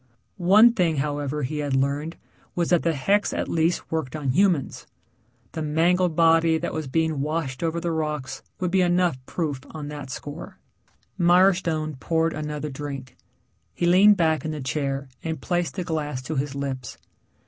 One thing, however, he had learned was that the hex at least worked on humans. The mangled body that was being washed over the rocks would be enough proof on that score. Mirestone poured another drink. He leaned back in the chair and placed the glass to his lips.